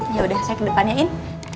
yaudah saya ke depannya iin